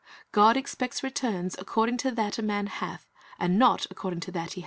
God expects returns "according to that a man hath, and not according to that he hath not."